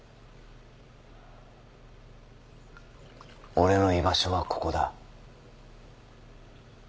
俺の居場所はここだ。